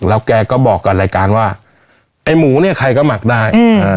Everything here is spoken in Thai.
แล้วแกก็บอกกับรายการว่าไอ้หมูเนี่ยใครก็หมักได้